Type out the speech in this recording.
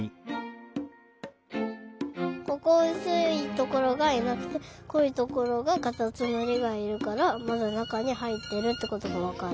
ここうすいところがいなくてこいところがカタツムリがいるからまだなかにはいってるってことがわかる。